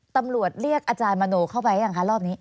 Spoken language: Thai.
ตำรวจเรียกอาจารย์มโนเข้าไปยังคะรอบนี้